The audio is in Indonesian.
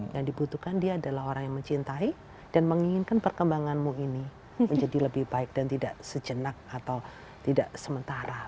yang dibutuhkan dia adalah orang yang mencintai dan menginginkan perkembanganmu ini menjadi lebih baik dan tidak sejenak atau tidak sementara